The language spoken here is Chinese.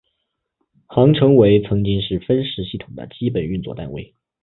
行程为曾经是分时系统的基本运作单位。